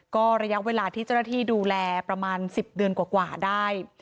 ก็ระยะเวลาที่เจ้าหน้าที่ดูแลประมาณ๑๐เดือนกว่าได้